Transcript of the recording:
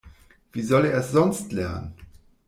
Wie soll er es sonst lernen?